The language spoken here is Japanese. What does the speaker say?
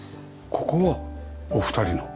ここはお二人の？